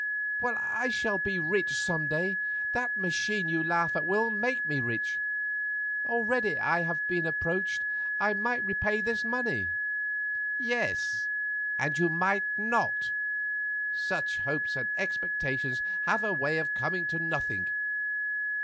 "I shall be rich some day; that machine you laugh at will make me rich; already I have been approached. I might repay this money." "Yes, and you might not; such hopes and expectations have a way of coming to nothing.